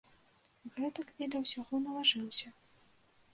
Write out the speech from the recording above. Гэтак і да ўсяго налажыўся.